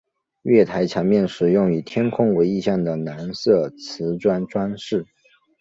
月台墙面使用以天空为意象的蓝色磁砖装饰。